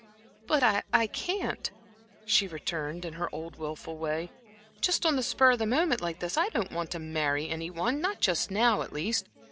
"But I I can't," she returned, in her old wilful way, "just on the spur of the moment, like this. I don't want to marry any one not just now, at least.